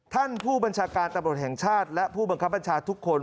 ท่านผู้บัญชาการตำรวจแห่งชาติและผู้บังคับบัญชาทุกคน